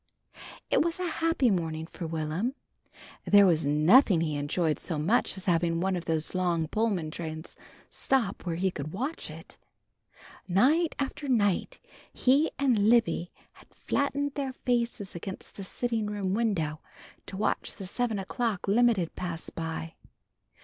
It was a happy morning for Will'm. There was nothing he enjoyed so much as having one of these long Pullman trains stop where he could watch it. Night after night he and Libby had flattened their faces against the sitting room window to watch the seven o'clock limited pass by.